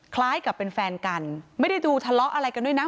คล้ายกับเป็นแฟนกันไม่ได้ดูทะเลาะอะไรกันด้วยนะ